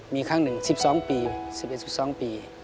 มีครั้งหนึ่งสิบสองปี